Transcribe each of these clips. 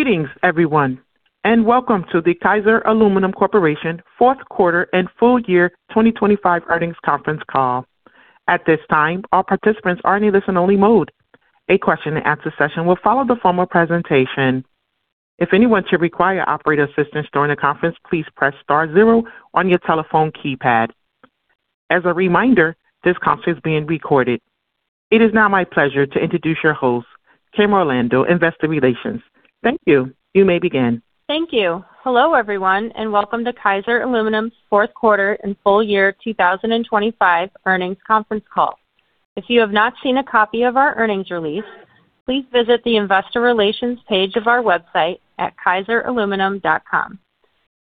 Greetings, everyone, and welcome to the Kaiser Aluminum Corporation Fourth Quarter and Full Year 2025 Earnings Conference Call. At this time, all participants are in listen-only mode. A question-and-answer session will follow the formal presentation. If anyone should require operator assistance during the conference, please press star zero on your telephone keypad. As a reminder, this conference is being recorded. It is now my pleasure to introduce your host, Kim Orlando, Investor Relations. Thank you. You may begin. Thank you. Hello, everyone, and welcome to Kaiser Aluminum's Fourth Quarter and Full Year 2025 Earnings Conference Call. If you have not seen a copy of our earnings release, please visit the Investor Relations page of our website at kaiseraluminum.com.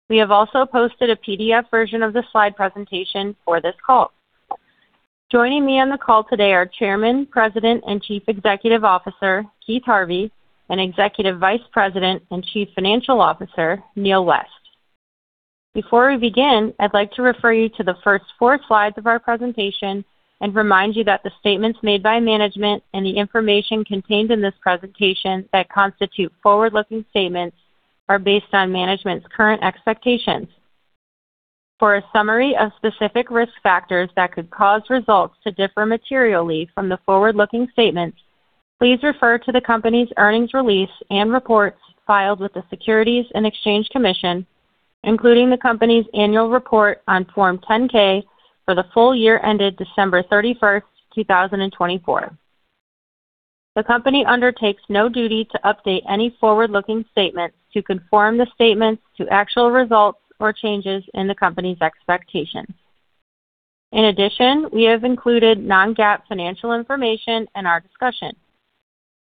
We have also posted a PDF version of the slide presentation for this call. Joining me on the call today are Chairman, President, and Chief Executive Officer, Keith Harvey, and Executive Vice President and Chief Financial Officer, Neal West. Before we begin, I'd like to refer you to the first four slides of our presentation and remind you that the statements made by management and the information contained in this presentation that constitute forward-looking statements are based on management's current expectations. For a summary of specific risk factors that could cause results to differ materially from the forward-looking statements, please refer to the company's earnings release and reports filed with the Securities and Exchange Commission, including the company's annual report on Form 10-K for the full year ended December 31st, 2024. The company undertakes no duty to update any forward-looking statements to conform the statements to actual results or changes in the company's expectations. In addition, we have included non-GAAP financial information in our discussion.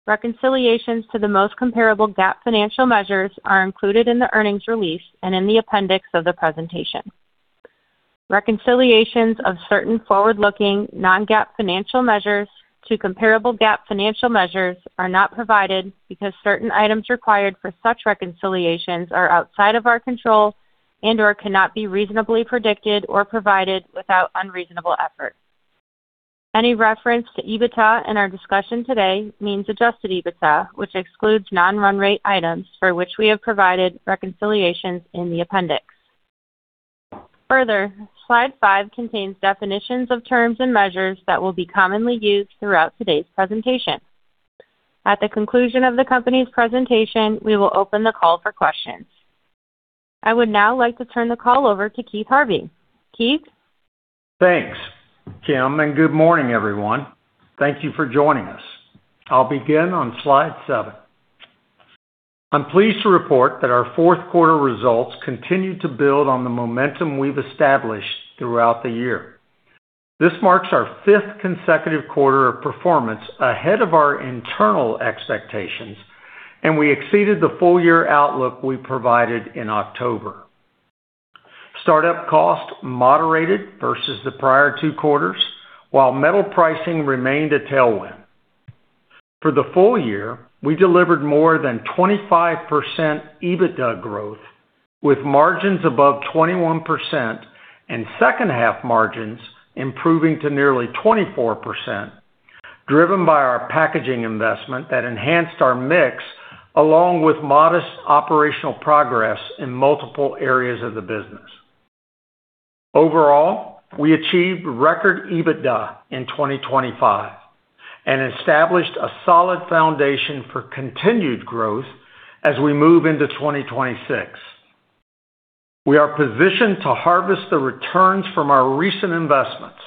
Reconciliations to the most comparable GAAP financial measures are included in the earnings release and in the appendix of the presentation. Reconciliations of certain forward-looking non-GAAP financial measures to comparable GAAP financial measures are not provided, because certain items required for such reconciliations are outside of our control and/or cannot be reasonably predicted or provided without unreasonable effort. Any reference to EBITDA in our discussion today means Adjusted EBITDA, which excludes non-run rate items for which we have provided reconciliations in the appendix. Further, slide five contains definitions of terms and measures that will be commonly used throughout today's presentation. At the conclusion of the company's presentation, we will open the call for questions. I would now like to turn the call over to Keith Harvey. Keith? Thanks, Kim, and good morning, everyone. Thank you for joining us. I'll begin on slide seven. I'm pleased to report that our fourth quarter results continued to build on the momentum we've established throughout the year. This marks our fifth consecutive quarter of performance ahead of our internal expectations, and we exceeded the full-year outlook we provided in October. Startup costs moderated versus the prior two quarters, while metal pricing remained a tailwind. For the full year, we delivered more than 25% EBITDA growth, with margins above 21% and second half margins improving to nearly 24%, driven by our packaging investment that enhanced our mix, along with modest operational progress in multiple areas of the business. Overall, we achieved record EBITDA in 2025 and established a solid foundation for continued growth as we move into 2026. We are positioned to harvest the returns from our recent investments,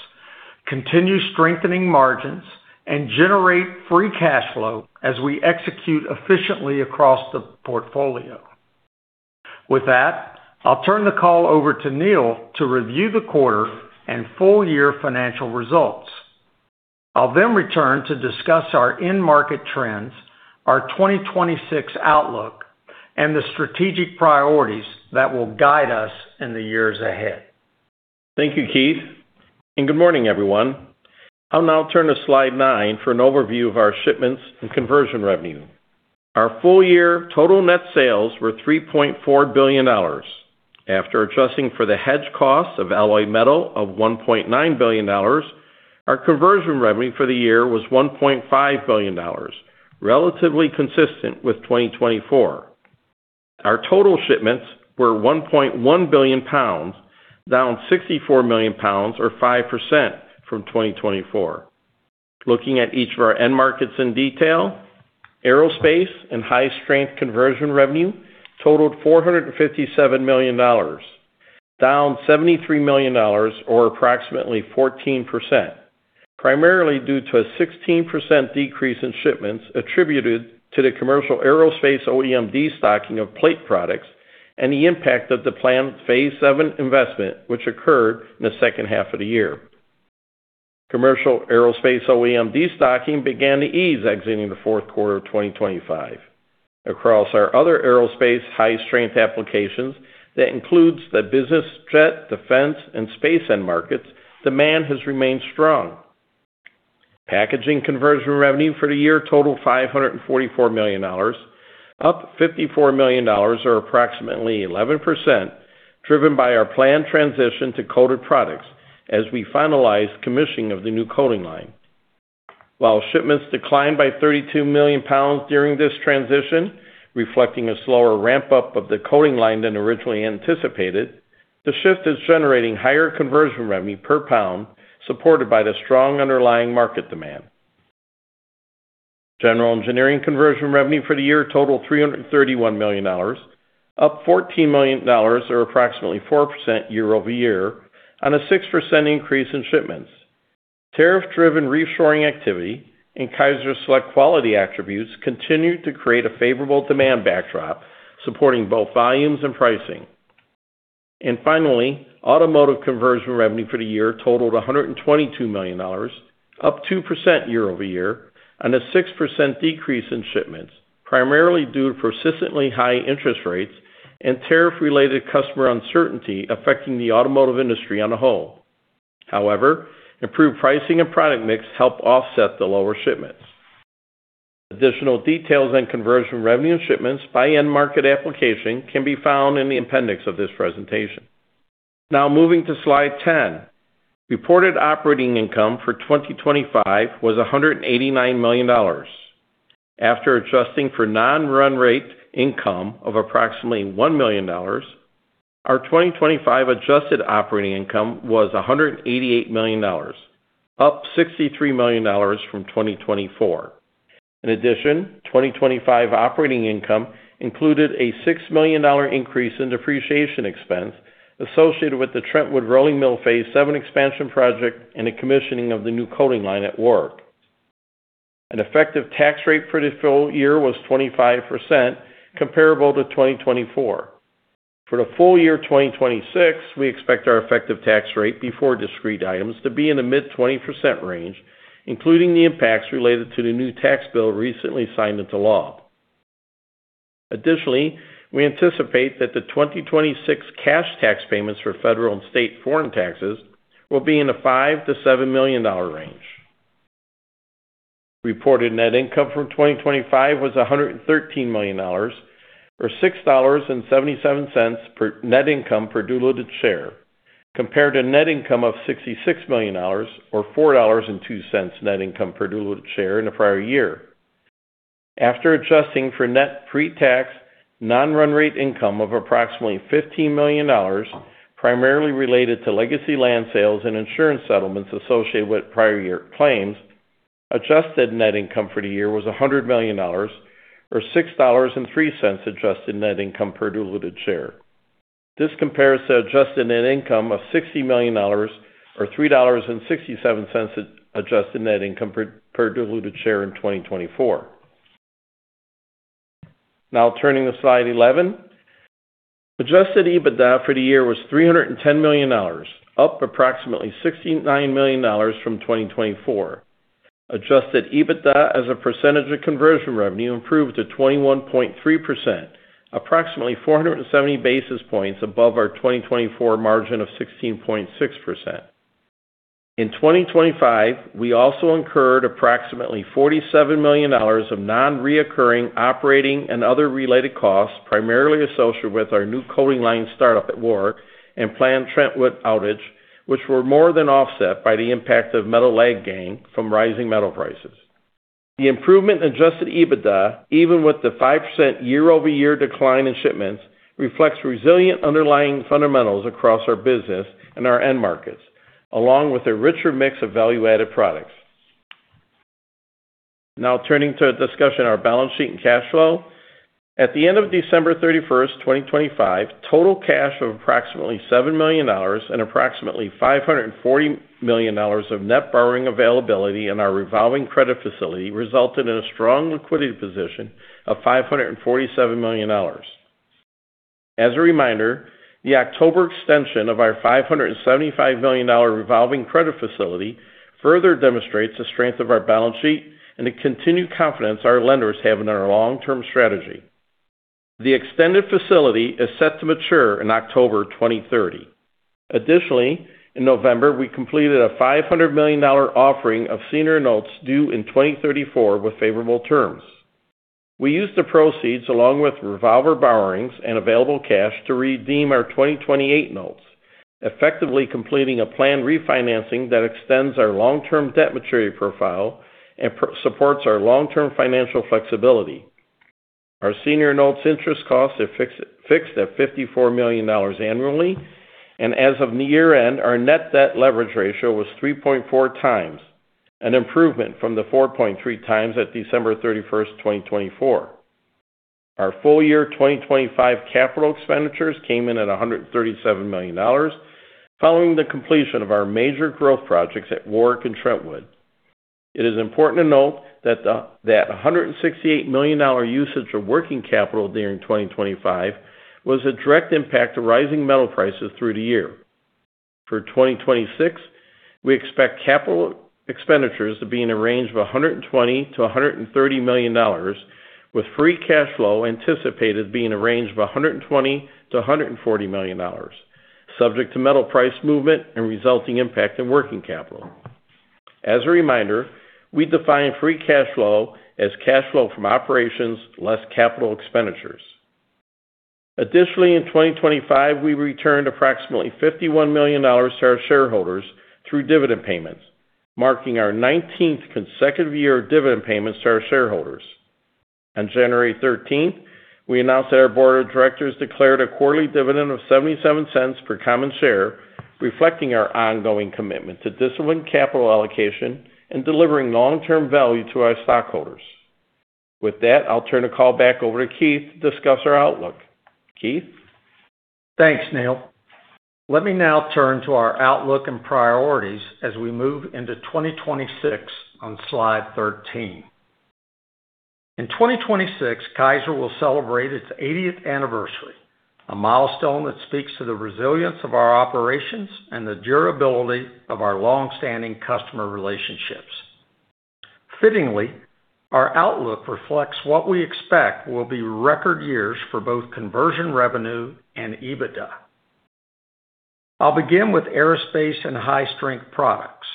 continue strengthening margins, and generate free cash flow as we execute efficiently across the portfolio. With that, I'll turn the call over to Neal to review the quarter and full year financial results. I'll then return to discuss our end market trends, our 2026 outlook, and the strategic priorities that will guide us in the years ahead. Thank you, Keith, and good morning, everyone. I'll now turn to slide nine for an overview of our shipments and conversion revenue. Our full year total net sales were $3.4 billion. After adjusting for the hedge costs of alloy metal of $1.9 billion, our conversion revenue for the year was $1.5 billion, relatively consistent with 2024. Our total shipments were 1.1 billion pounds, down 64 million pounds, or 5% from 2024. Looking at each of our end markets in detail, aerospace and high-strength conversion revenue totaled $457 million, down $73 million or approximately 14%, primarily due to a 16% decrease in shipments attributed to the commercial aerospace OEM destocking of plate products and the impact of the planned Phase VII investment, which occurred in the second half of the year. Commercial aerospace OEM destocking began to ease exiting the fourth quarter of 2025. Across our other aerospace high-strength applications, that includes the business jet, defense, and space end markets, demand has remained strong. Packaging conversion revenue for the year totaled $544 million, up $54 million or approximately 11%, driven by our planned transition to coated products as we finalized commissioning of the new coating line. While shipments declined by 32 million pounds during this transition, reflecting a slower ramp-up of the coating line than originally anticipated, the shift is generating higher conversion revenue per pound, supported by the strong underlying market demand. General engineering conversion revenue for the year totaled $331 million, up $14 million, or approximately 4% year-over-year, on a 6% increase in shipments. Tariff-driven reshoring activity and KaiserSelect quality attributes continued to create a favorable demand backdrop, supporting both volumes and pricing. And finally, automotive conversion revenue for the year totaled $122 million, up 2% year-over-year, on a 6% decrease in shipments, primarily due to persistently high interest rates and tariff-related customer uncertainty affecting the automotive industry on the whole. However, improved pricing and product mix helped offset the lower shipments. Additional details on conversion revenue and shipments by end market application can be found in the appendix of this presentation. Now moving to slide 10. Reported operating income for 2025 was $189 million. After adjusting for non-run rate income of approximately $1 million, our 2025 adjusted operating income was $188 million, up $63 million from 2024. In addition, 2025 operating income included a $6 million increase in depreciation expense associated with the Trentwood Rolling Mill Phase VII expansion project and the commissioning of the new coating line at Warrick. An effective tax rate for the full year was 25%, comparable to 2024. For the full year 2026, we expect our effective tax rate before discrete items to be in the mid-20% range, including the impacts related to the new tax bill recently signed into law. Additionally, we anticipate that the 2026 cash tax payments for federal and state foreign taxes will be in a $5 million-$7 million range. Reported net income from 2025 was $113 million, or $6.77 per net income per diluted share, compared to net income of $66 million, or $4.02 net income per diluted share in the prior year. After adjusting for net pre-tax, non-run rate income of approximately $15 million, primarily related to legacy land sales and insurance settlements associated with prior year claims, adjusted net income for the year was $100 million, or $6.03 adjusted net income per diluted share. This compares to adjusted net income of $60 million, or $3.67 adjusted net income per diluted share in 2024. Now turning to slide 11. Adjusted EBITDA for the year was $310 million, up approximately $69 million from 2024. Adjusted EBITDA as a percentage of conversion revenue improved to 21.3%, approximately 470 basis points above our 2024 margin of 16.6%. In 2025, we also incurred approximately $47 million of non-recurring operating and other related costs, primarily associated with our new coating line startup at Warrick and planned Trentwood outage, which were more than offset by the impact of metal lag gain from rising metal prices. The improvement in Adjusted EBITDA, even with the 5% year-over-year decline in shipments, reflects resilient underlying fundamentals across our business and our end markets, along with a richer mix of value-added products. Now turning to a discussion on our balance sheet and cash flow. At the end of December 31st, 2025, total cash of approximately $7 million and approximately $540 million of net borrowing availability in our revolving credit facility resulted in a strong liquidity position of $547 million. As a reminder, the October extension of our $575 million revolving credit facility further demonstrates the strength of our balance sheet and the continued confidence our lenders have in our long-term strategy. The extended facility is set to mature in October 2030. Additionally, in November, we completed a $500 million offering of senior notes due in 2034 with favorable terms. We used the proceeds along with revolver borrowings and available cash to redeem our 2028 notes, effectively completing a planned refinancing that extends our long-term debt maturity profile and supports our long-term financial flexibility. Our senior notes interest costs are fixed, fixed at $54 million annually, and as of the year-end, our net debt leverage ratio was 3.4 times, an improvement from the 4.3 times at December 31st, 2024. Our full year 2025 capital expenditures came in at $137 million, following the completion of our major growth projects at Warrick and Trentwood. It is important to note that a $168 million usage of working capital during 2025 was a direct impact of rising metal prices through the year. For 2026, we expect capital expenditures to be in a range of $120 million-$130 million, with free cash flow anticipated being in a range of $120 million-$140 million, subject to metal price movement and resulting impact in working capital. As a reminder, we define free cash flow as cash flow from operations less capital expenditures. Additionally, in 2025, we returned approximately $51 million to our shareholders through dividend payments, marking our 19th consecutive year of dividend payments to our shareholders. On January 13th, we announced that our board of directors declared a quarterly dividend of $0.77 per common share, reflecting our ongoing commitment to disciplined capital allocation and delivering long-term value to our stockholders. With that, I'll turn the call back over to Keith to discuss our outlook. Keith? Thanks, Neal. Let me now turn to our outlook and priorities as we move into 2026 on slide 13. In 2026, Kaiser will celebrate its 80th anniversary, a milestone that speaks to the resilience of our operations and the durability of our long-standing customer relationships. Fittingly, our outlook reflects what we expect will be record years for both conversion revenue and EBITDA. I'll begin with aerospace and high-strength products.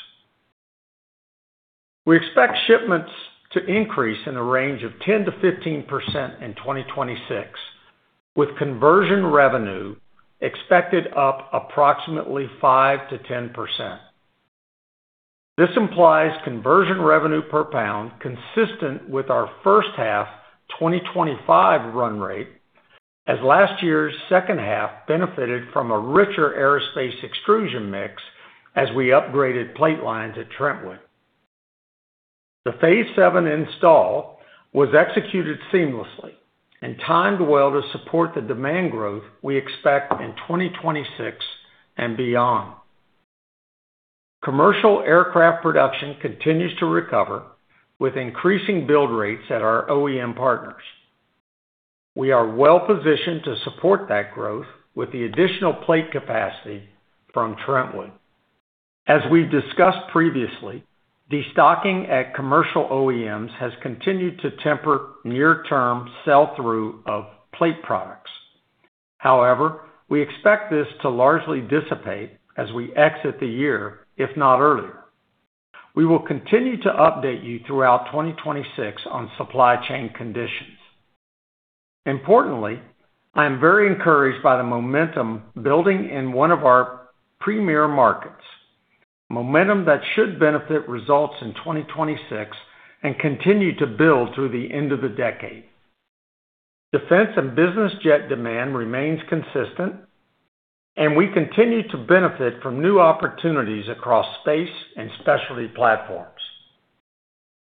We expect shipments to increase in a range of 10%-15% in 2026, with conversion revenue expected up approximately 5%-10%. This implies conversion revenue per pound, consistent with our first half 2025 run rate, as last year's second half benefited from a richer aerospace extrusion mix as we upgraded plate lines at Trentwood. The Phase VII install was executed seamlessly and timed well to support the demand growth we expect in 2026 and beyond. Commercial aircraft production continues to recover, with increasing build rates at our OEM partners. We are well-positioned to support that growth with the additional plate capacity from Trentwood. As we've discussed previously, destocking at commercial OEMs has continued to temper near-term sell-through of plate products. However, we expect this to largely dissipate as we exit the year, if not earlier. We will continue to update you throughout 2026 on supply chain conditions. Importantly, I am very encouraged by the momentum building in one of our premier markets, momentum that should benefit results in 2026 and continue to build through the end of the decade. Defense and business jet demand remains consistent, and we continue to benefit from new opportunities across space and specialty platforms.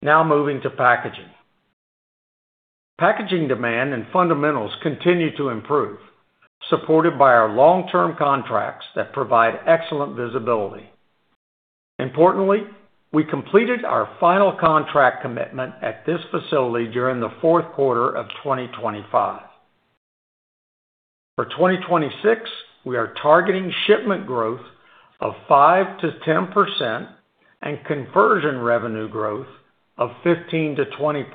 Now moving to packaging. Packaging demand and fundamentals continue to improve, supported by our long-term contracts that provide excellent visibility. Importantly, we completed our final contract commitment at this facility during the fourth quarter of 2025. For 2026, we are targeting shipment growth of 5%-10% and conversion revenue growth of 15%-20%.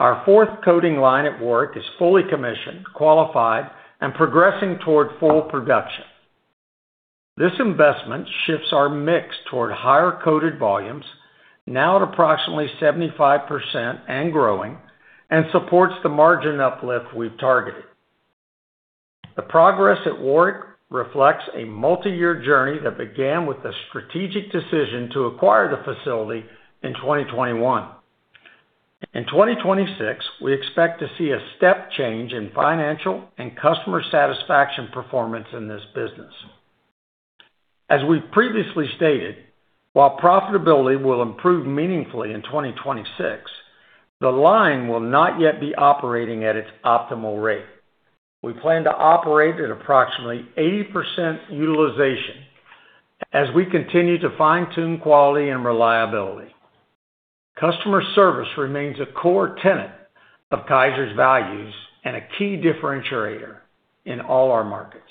Our fourth coating line at Warrick is fully commissioned, qualified, and progressing toward full production. This investment shifts our mix toward higher-coated volumes, now at approximately 75% and growing, and supports the margin uplift we've targeted. The progress at Warrick reflects a multiyear journey that began with the strategic decision to acquire the facility in 2021. In 2026, we expect to see a step change in financial and customer satisfaction performance in this business. As we've previously stated, while profitability will improve meaningfully in 2026, the line will not yet be operating at its optimal rate. We plan to operate at approximately 80% utilization as we continue to fine-tune quality and reliability. Customer service remains a core tenet of Kaiser's values and a key differentiator in all our markets.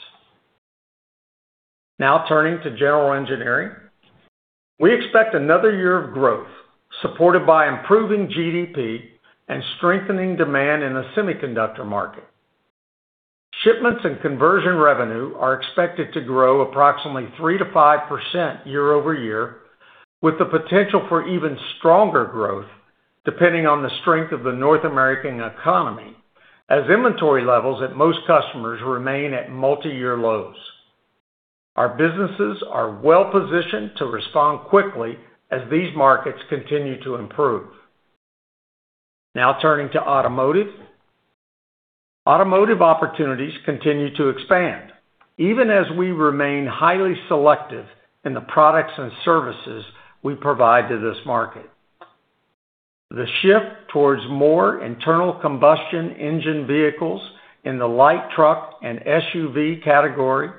Now turning to general engineering. We expect another year of growth, supported by improving GDP and strengthening demand in the semiconductor market. Shipments and conversion revenue are expected to grow approximately 3%-5% year-over-year, with the potential for even stronger growth, depending on the strength of the North American economy, as inventory levels at most customers remain at multiyear lows. Our businesses are well-positioned to respond quickly as these markets continue to improve. Now turning to automotive. Automotive opportunities continue to expand, even as we remain highly selective in the products and services we provide to this market. The shift towards more internal combustion engine vehicles in the light truck and SUV category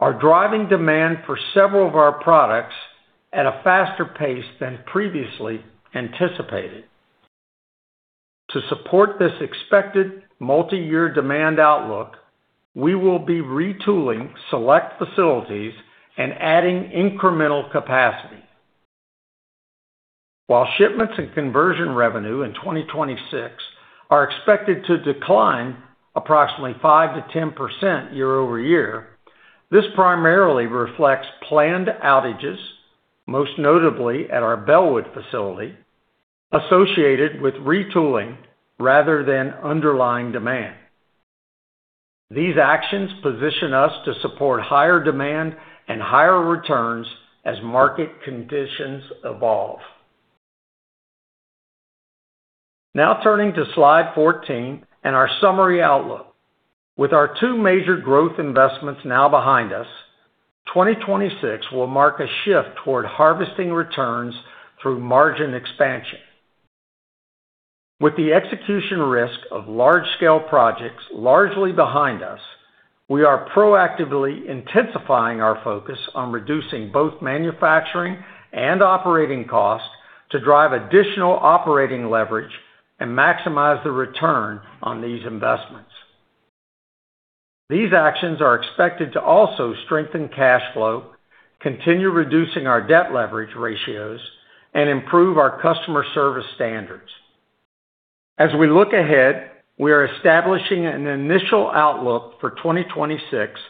are driving demand for several of our products at a faster pace than previously anticipated. To support this expected multiyear demand outlook, we will be retooling select facilities and adding incremental capacity. While shipments and conversion revenue in 2026 are expected to decline approximately 5%-10% year-over-year. This primarily reflects planned outages, most notably at our Bellwood facility, associated with retooling rather than underlying demand. These actions position us to support higher demand and higher returns as market conditions evolve. Now turning to slide 14 and our summary outlook. With our two major growth investments now behind us, 2026 will mark a shift toward harvesting returns through margin expansion. With the execution risk of large-scale projects largely behind us, we are proactively intensifying our focus on reducing both manufacturing and operating costs to drive additional operating leverage and maximize the return on these investments. These actions are expected to also strengthen cash flow, continue reducing our debt leverage ratios, and improve our customer service standards. As we look ahead, we are establishing an initial outlook for 2026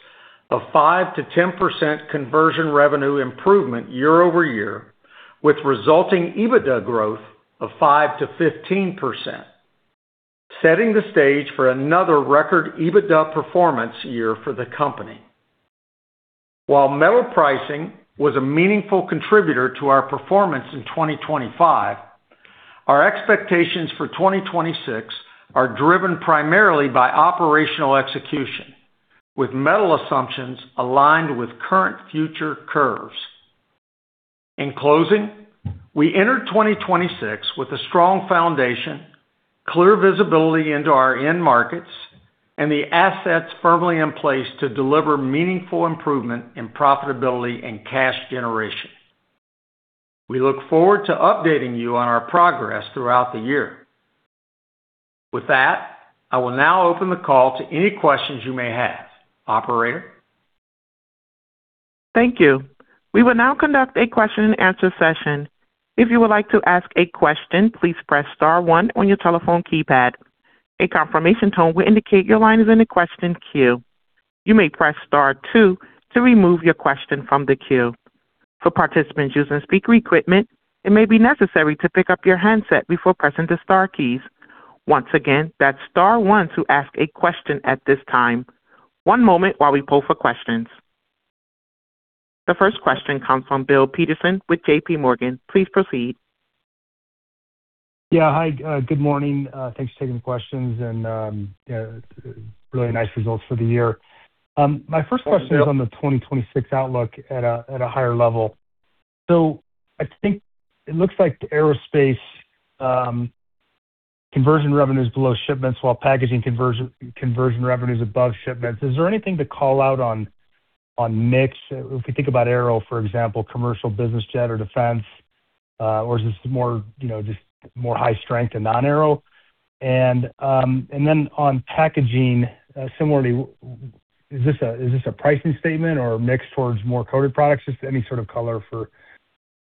of 5%-10% conversion revenue improvement year-over-year, with resulting EBITDA growth of 5%-15%, setting the stage for another record EBITDA performance year for the company. While metal pricing was a meaningful contributor to our performance in 2025, our expectations for 2026 are driven primarily by operational execution, with metal assumptions aligned with current future curves. In closing, we entered 2026 with a strong foundation, clear visibility into our end markets, and the assets firmly in place to deliver meaningful improvement in profitability and cash generation. We look forward to updating you on our progress throughout the year. With that, I will now open the call to any questions you may have. Operator? Thank you. We will now conduct a question-and-answer session. If you would like to ask a question, please press star one on your telephone keypad. A confirmation tone will indicate your line is in the question queue. You may press star two to remove your question from the queue. For participants using speaker equipment, it may be necessary to pick up your handset before pressing the star keys. Once again, that's star one to ask a question at this time. One moment while we poll for questions. The first question comes from Bill Peterson with JPMorgan. Please proceed. Yeah. Hi, good morning. Thanks for taking the questions, and yeah, really nice results for the year. My first question is on the 2026 outlook at a higher level. So I think it looks like the aerospace conversion revenue is below shipments, while packaging conversion revenue is above shipments. Is there anything to call out on mix? If we think about aero, for example, commercial business jet or defense, or is this more, you know, just more high strength and non-aero? And then on packaging, similarly, is this a pricing statement or a mix towards more coated products? Just any sort of color for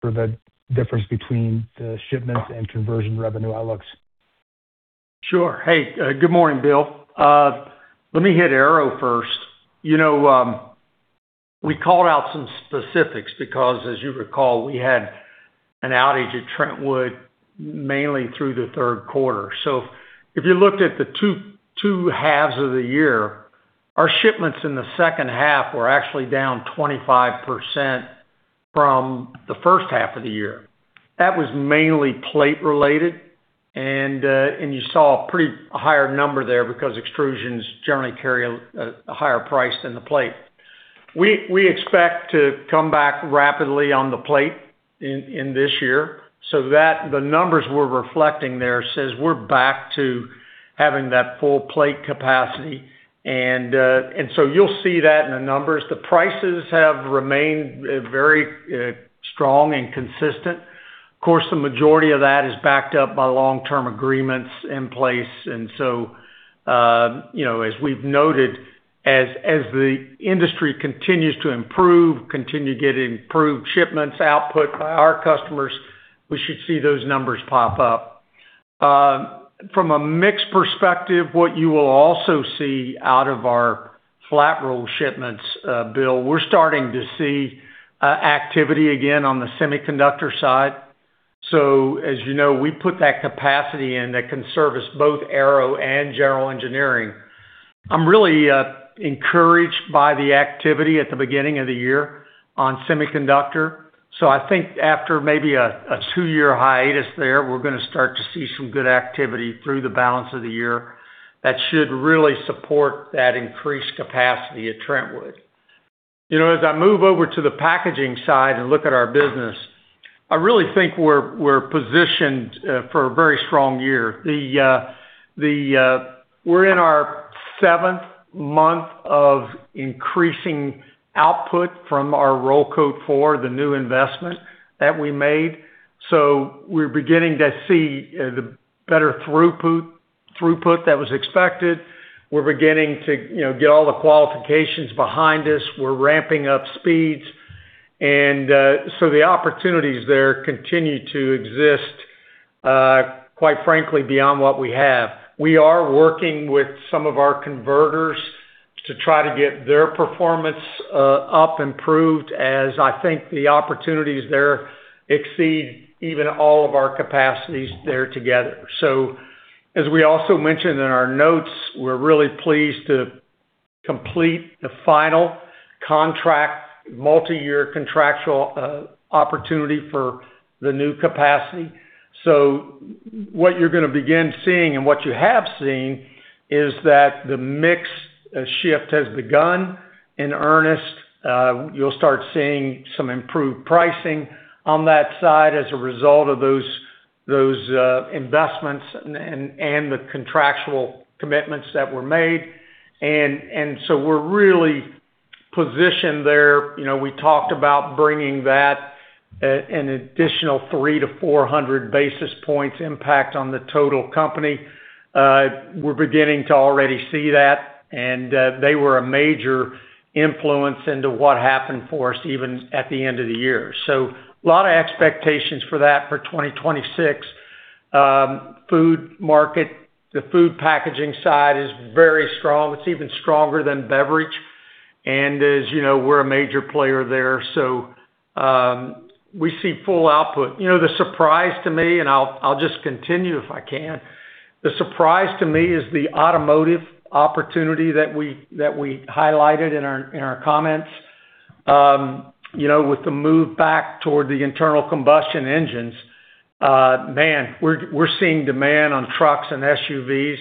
the difference between the shipments and conversion revenue outlooks. Sure. Hey, good morning, Bill. Let me hit aero first. You know, we called out some specifics because, as you recall, we had an outage at Trentwood mainly through the third quarter. So if you looked at the two halves of the year, our shipments in the second half were actually down 25% from the first half of the year. That was mainly plate related, and you saw a pretty higher number there because extrusions generally carry a higher price than the plate. We expect to come back rapidly on the plate in this year, so that the numbers we're reflecting there says we're back to having that full plate capacity. And so you'll see that in the numbers. The prices have remained very strong and consistent. Of course, the majority of that is backed up by long-term agreements in place. And so, you know, as we've noted, as the industry continues to improve, continue to get improved shipments output by our customers, we should see those numbers pop up. From a mix perspective, what you will also see out of our flat roll shipments, Bill, we're starting to see activity again on the semiconductor side. So, as you know, we put that capacity in that can service both aero and general engineering. I'm really encouraged by the activity at the beginning of the year on semiconductor. So I think after maybe a two-year hiatus there, we're gonna start to see some good activity through the balance of the year that should really support that increased capacity at Trentwood. You know, as I move over to the packaging side and look at our business, I really think we're, we're positioned for a very strong year. The, we're in our seventh month of increasing output from our Roll Coat Four, the new investment that we made. So we're beginning to see the better throughput, throughput that was expected. We're beginning to, you know, get all the qualifications behind us. We're ramping up speeds.... So the opportunities there continue to exist, quite frankly, beyond what we have. We are working with some of our converters to try to get their performance up, improved, as I think the opportunities there exceed even all of our capacities there together. So as we also mentioned in our notes, we're really pleased to complete the final contract, multi-year contractual opportunity for the new capacity. So what you're gonna begin seeing, and what you have seen, is that the mix shift has begun in earnest. You'll start seeing some improved pricing on that side as a result of those investments and the contractual commitments that were made. And so we're really positioned there. You know, we talked about bringing that an additional 300-400 basis points impact on the total company. We're beginning to already see that, and they were a major influence into what happened for us, even at the end of the year. So a lot of expectations for that for 2026. Food market, the food packaging side is very strong. It's even stronger than beverage, and as you know, we're a major player there, so we see full output. You know, the surprise to me, and I'll, I'll just continue if I can. The surprise to me is the automotive opportunity that we, that we highlighted in our, in our comments. You know, with the move back toward the internal combustion engines, man, we're, we're seeing demand on trucks and SUVs.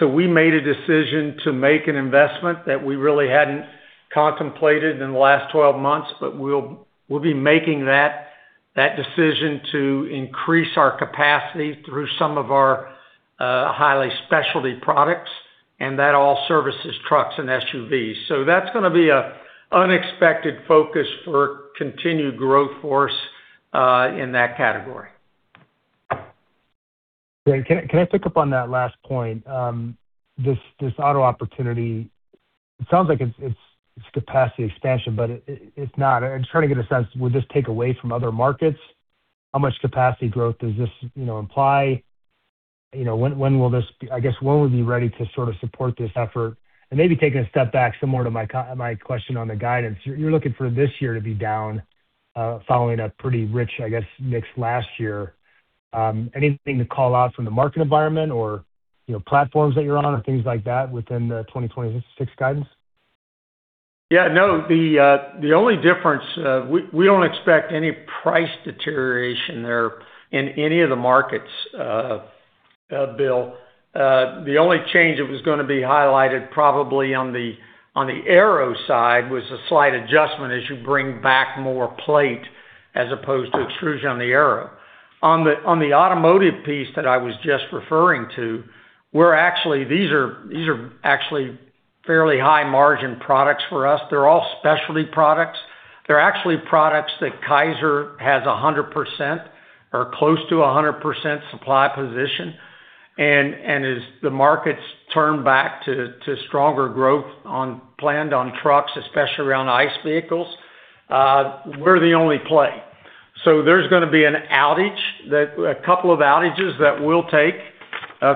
So we made a decision to make an investment that we really hadn't contemplated in the last 12 months, but we'll, we'll be making that, that decision to increase our capacity through some of our, highly specialty products, and that all services trucks and SUVs. So that's gonna be a unexpected focus for continued growth for us, in that category. Can I pick up on that last point? This auto opportunity, it sounds like it's capacity expansion, but it's not. I'm just trying to get a sense, would this take away from other markets? How much capacity growth does this, you know, imply? You know, when will this be—I guess, when will you be ready to sort of support this effort? And maybe taking a step back, similar to my question on the guidance, you're looking for this year to be down, following a pretty rich, I guess, mixed last year. Anything to call out from the market environment or, you know, platforms that you're on or things like that within the 2026 guidance? Yeah. No, the only difference, we don't expect any price deterioration there in any of the markets, Bill. The only change that was gonna be highlighted probably on the aero side was a slight adjustment as you bring back more plate as opposed to extrusion on the aero. On the automotive piece that I was just referring to, we're actually—these are actually fairly high margin products for us. They're all specialty products. They're actually products that Kaiser has 100% or close to 100% supply position, and as the markets turn back to stronger growth on planned, on trucks, especially around ICE vehicles, we're the only play. So there's gonna be an outage that—a couple of outages that we'll take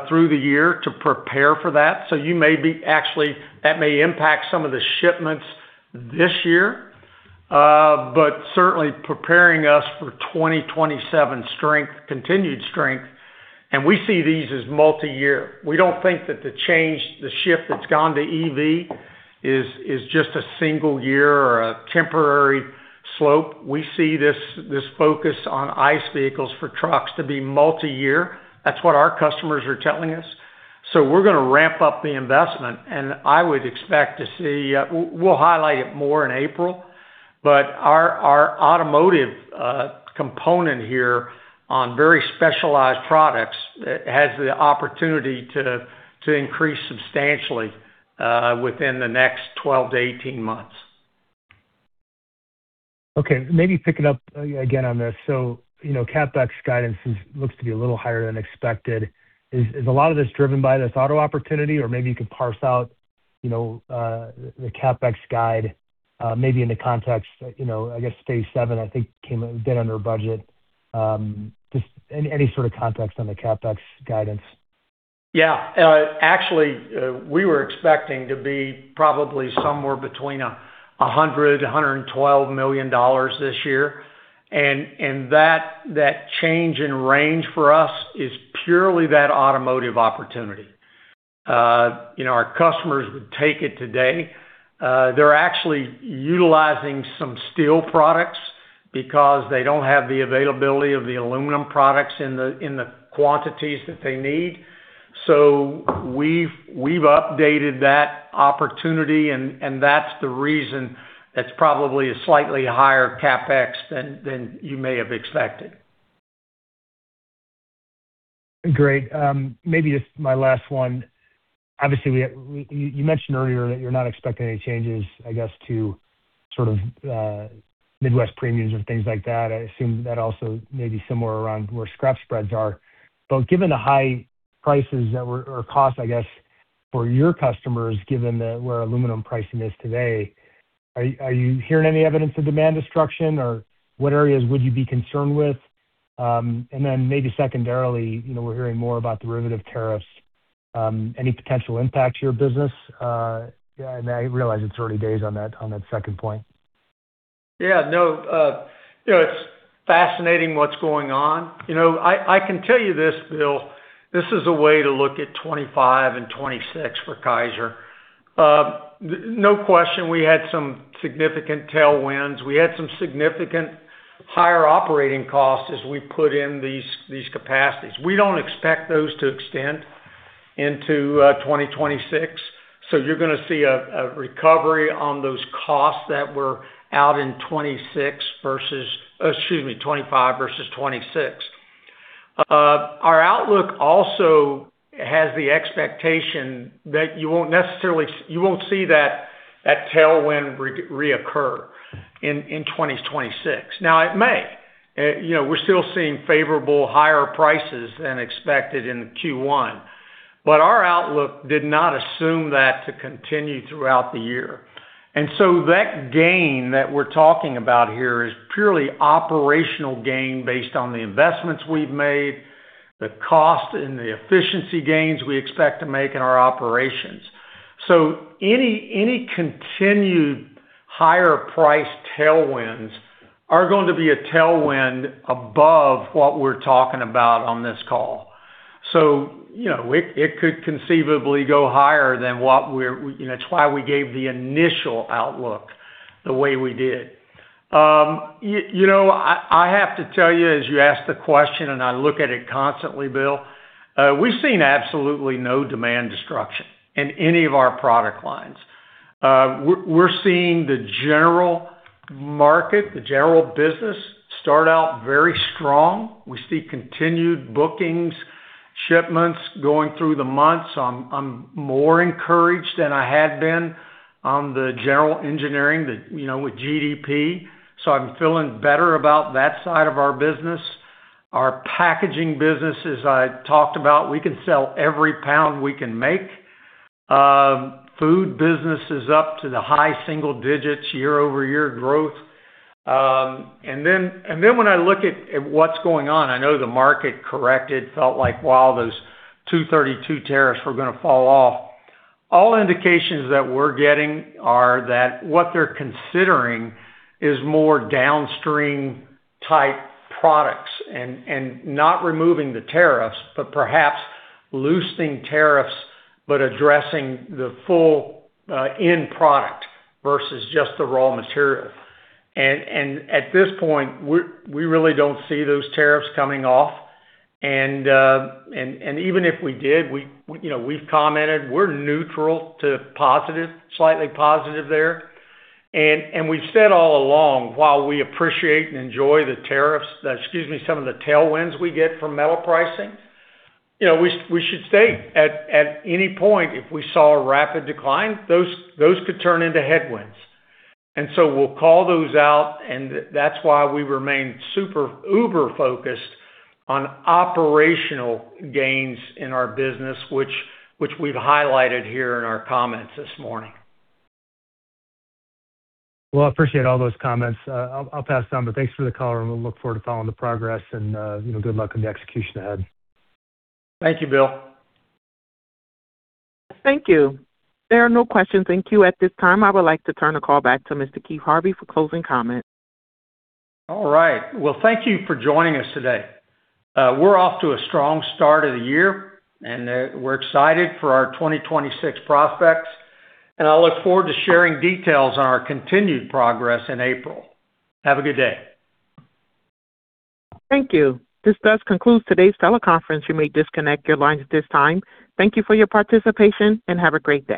through the year to prepare for that. So you may be actually, that may impact some of the shipments this year, but certainly preparing us for 2027 strength, continued strength, and we see these as multiyear. We don't think that the change, the shift that's gone to EV is just a single year or a temporary slope. We see this focus on ICE vehicles for trucks to be multiyear. That's what our customers are telling us. So we're gonna ramp up the investment, and I would expect to see... We, we'll highlight it more in April, but our automotive component here on very specialized products has the opportunity to increase substantially within the next 12-18 months. Okay, maybe picking up again on this. So, you know, CapEx guidance is, looks to be a little higher than expected. Is a lot of this driven by this auto opportunity, or maybe you could parse out, you know, the CapEx guide, maybe in the context, you know, I guess Phase VII, I think, came a bit under budget. Just any sort of context on the CapEx guidance? Yeah. Actually, we were expecting to be probably somewhere between $100-$112 million this year, and that change in range for us is purely that automotive opportunity. You know, our customers would take it today. They're actually utilizing some steel products because they don't have the availability of the aluminum products in the quantities that they need. So we've updated that opportunity, and that's the reason it's probably a slightly higher CapEx than you may have expected. Great. Maybe just my last one. Obviously, you mentioned earlier that you're not expecting any changes, I guess, to sort of, Midwest premiums or things like that. I assume that also may be somewhere around where scrap spreads are. But given the high prices that were or costs, I guess, for your customers, given that where aluminum pricing is today, are you hearing any evidence of demand destruction, or what areas would you be concerned with? And then maybe secondarily, you know, we're hearing more about derivative tariffs. Any potential impact to your business? And I realize it's early days on that, on that second point. Yeah, no. You know, it's fascinating what's going on. You know, I can tell you this, Bill, this is a way to look at 2025 and 2026 for Kaiser. No question, we had some significant tailwinds. We had some significant higher operating costs as we put in these capacities. We don't expect those to extend into 2026, so you're gonna see a recovery on those costs that were out in 2026 versus, excuse me, 2025 versus 2026. Our outlook also has the expectation that you won't necessarily—you won't see that tailwind reoccur in 2026. Now, it may. You know, we're still seeing favorable higher prices than expected in Q1, but our outlook did not assume that to continue throughout the year. And so that gain that we're talking about here is purely operational gain based on the investments we've made, the cost and the efficiency gains we expect to make in our operations. So any continued higher price tailwinds are going to be a tailwind above what we're talking about on this call. So, you know, it could conceivably go higher than what we're, you know, it's why we gave the initial outlook the way we did. You know, I have to tell you, as you ask the question, and I look at it constantly, Bill, we've seen absolutely no demand destruction in any of our product lines. We're seeing the general market, the general business, start out very strong. We see continued bookings, shipments going through the months. I'm more encouraged than I had been on the general engineering, you know, with GDP, so I'm feeling better about that side of our business. Our packaging business, as I talked about, we can sell every pound we can make. Food business is up to the high single digits, year-over-year growth. And then when I look at what's going on, I know the market corrected, felt like, wow, those 232 tariffs were gonna fall off. All indications that we're getting are that what they're considering is more downstream type products, and not removing the tariffs, but perhaps loosening tariffs, but addressing the full end product versus just the raw material. And at this point, we really don't see those tariffs coming off, and even if we did, you know, we've commented, we're neutral to positive, slightly positive there. And we've said all along, while we appreciate and enjoy the tariffs, excuse me, some of the tailwinds we get from metal pricing, you know, we should state at any point, if we saw a rapid decline, those could turn into headwinds. And so we'll call those out, and that's why we remain super, uber focused on operational gains in our business, which we've highlighted here in our comments this morning. Well, I appreciate all those comments. I'll pass it on, but thanks for the call, and we'll look forward to following the progress and, you know, good luck on the execution ahead. Thank you, Bill. Thank you. There are no questions in queue at this time. I would like to turn the call back to Mr. Keith Harvey for closing comments. All right. Well, thank you for joining us today. We're off to a strong start of the year, and we're excited for our 2026 prospects, and I look forward to sharing details on our continued progress in April. Have a good day. Thank you. This does conclude today's teleconference. You may disconnect your lines at this time. Thank you for your participation, and have a great day.